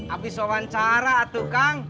api sewancara tuh kang